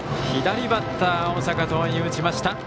左バッター、大阪桐蔭打ちました。